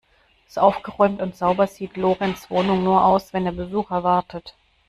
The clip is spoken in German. So aufgeräumt und sauber sieht Lorenz Wohnung nur aus, wenn er Besuch erwartet.